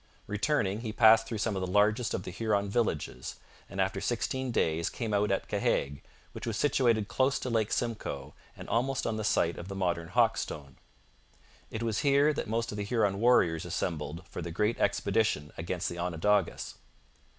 Returning, he passed through some of the largest of the Huron villages, and after sixteen days came out at Cahaigue, which was situated close to Lake Simcoe and almost on the site of the modern Hawkestone. It was here that most of the Huron warriors assembled for the great expedition against the Onondagas.